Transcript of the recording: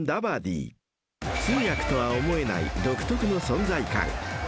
［通訳とは思えない独特の存在感］